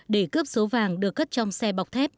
để cướp số vàng được cất trong xe bọc thép